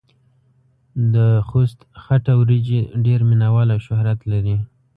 دخوست خټه وريژې ډېر مينه وال او شهرت لري.